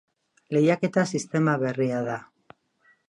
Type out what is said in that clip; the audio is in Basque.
Lehiaketa sistema berria da.